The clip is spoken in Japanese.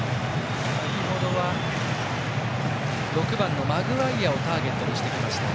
先程は６番のマグワイアをターゲットにしてきました。